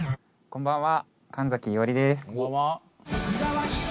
こんばんは。